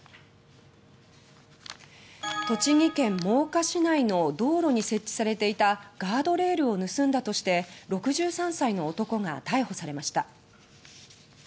栃木県真岡市内の道路に設置されていたガードレールを盗んだとして６３歳の男が逮捕されました。